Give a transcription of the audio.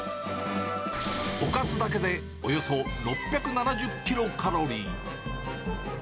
おかずだけでおよそ６７０キロカロリー。